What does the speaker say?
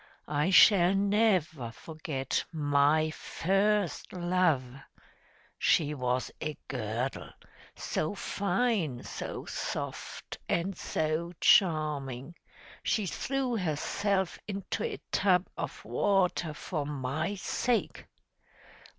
I shall never forget MY FIRST LOVE she was a girdle, so fine, so soft, and so charming, she threw herself into a tub of water for my sake!